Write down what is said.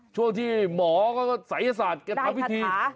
ช่วงที่หมอก็ศัยศาสตร์แกทำพิธี